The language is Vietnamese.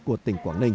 của tỉnh quảng ninh